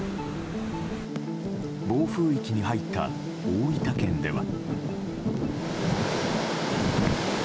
暴風域に入った大分県では。